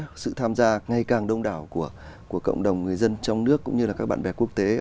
có sự tham gia ngay càng đông đảo của cộng đồng người dân trong nước cũng như là các bạn bè quốc tế